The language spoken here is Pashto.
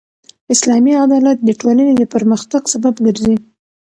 اسلامي عدالت د ټولني د پرمختګ سبب ګرځي.